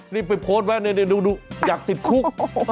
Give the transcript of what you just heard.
นี่ไปโพสต์ไว้ดูอยากติดคุก